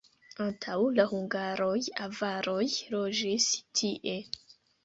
Antaŭ la hungaroj avaroj loĝis tie.